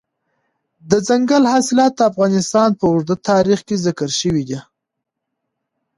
دځنګل حاصلات د افغانستان په اوږده تاریخ کې ذکر شوی دی.